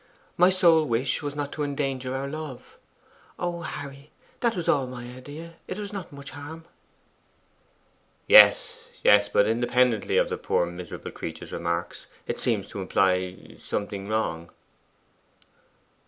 My sole wish was not to endanger our love. O Harry! that was all my idea. It was not much harm.' 'Yes, yes; but independently of the poor miserable creature's remarks, it seems to imply something wrong.